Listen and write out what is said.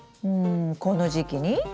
うんこの時期に？